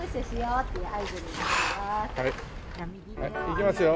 いきますよ